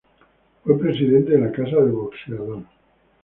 Fue presidente de la Casa del Boxeador.